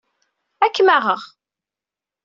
Ad kem-aɣeɣ.